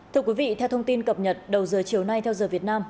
thưa quý vị theo thông tin cập nhật đầu giờ chiều nay theo giờ việt nam